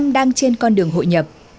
đang trên con đường hội nhập